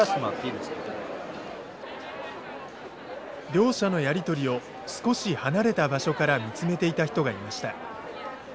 両者のやり取りを少し離れた場所から見つめていた人がいました。